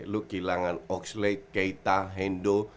lu kehilangan oxlade keita hendo